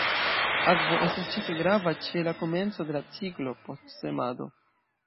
Akvo estas ĉefe grava ĉe la komenco de la ciklo, post semado.